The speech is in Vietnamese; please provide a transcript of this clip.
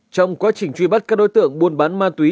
trong quá trình truy bắt các đối tượng buôn bán ma túy